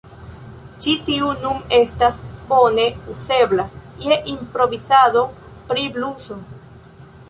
Ĉi tiu nun estas bone uzebla je improvizado pri bluso.